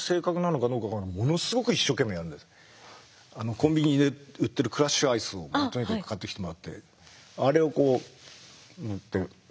コンビニで売ってるクラッシュアイスをとにかく買ってきてもらってあれをこうやって。